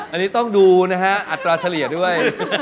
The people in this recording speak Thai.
อันนี้ต้องดูนะฮะอัตราเฉลี่ยด้วย